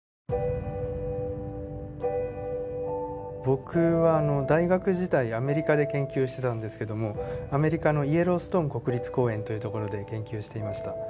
僕は大学時代アメリカで研究してたんですけどもアメリカのイエローストーン国立公園という所で研究していました。